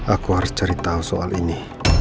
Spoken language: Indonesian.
aku harus cari tau soal ini